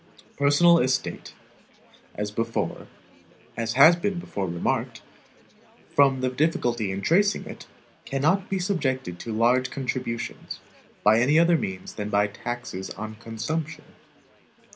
Personal estate (as has been before remarked), from the difficulty in tracing it, cannot be subjected to large contributions, by any other means than by taxes on consumption.